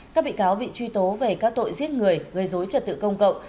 các bị cáo bị truy tố về các tội giết người gây dối trật tự công cộng